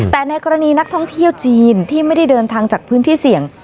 แต่ในกรณีนักท่องเที่ยวจีนที่ไม่ได้เดินทางจากพื้นที่เสี่ยง